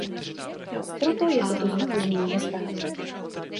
Proto je toto zdůvodnění nesprávné.